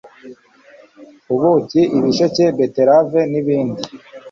ubuki, ibisheke, beterave n'ibindi.